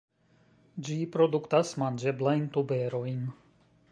Ĝi produktas manĝeblajn tuberojn.